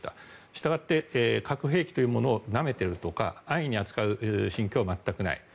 したがって、核兵器というものをなめているとか安易に扱う心境は全くない。